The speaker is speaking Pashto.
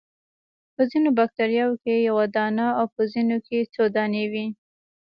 په ځینو باکتریاوو کې یو دانه او په ځینو کې څو دانې وي.